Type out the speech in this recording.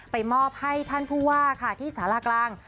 มอบให้ท่านผู้ว่าค่ะที่สารากลาง